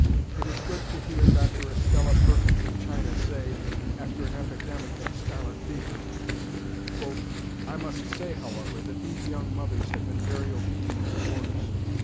It is good to hear Dr. Estella Perkins of China say, after an epidemic of scarlet fever, "I must say, however, that these young mothers have been very obedient to orders.